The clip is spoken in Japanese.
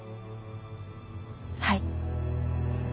はい。